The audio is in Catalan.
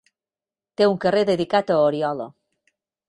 Té un carrer dedicat a Oriola.